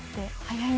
はい。